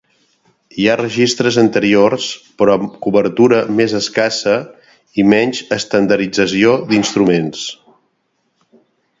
Hi ha registres anteriors però amb cobertura més escassa i menys estandardització d’instruments.